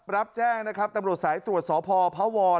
รับแจ้งนะครับตำรวจสายตรวจสพพวร